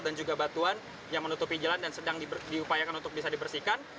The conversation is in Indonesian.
dan juga batuan yang menutupi jalan dan sedang diupayakan untuk bisa dibersihkan